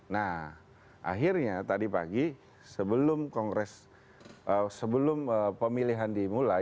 nah akhirnya tadi pagi sebelum kongres sebelum pemilihan dimulai